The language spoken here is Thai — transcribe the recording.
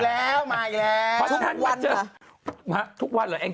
แล้วมาอีกแล้วทุกวันค่ะทุกวันหรอเองจี้ทุกวันทุกวัน